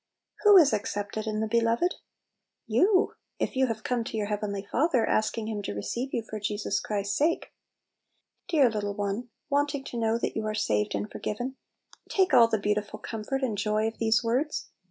WHO is "accepted in the Beloved "? You, if you have come to your heavenly Father, asking him to receive 12 Little Pillows. you for Jesus Christ's sake. Dear little one, wanting to know that you are saved and forgiven, take all the beautiful com fort and joy of these words